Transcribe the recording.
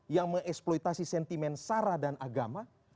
yang mengeksploitasi sentimen sara dan agama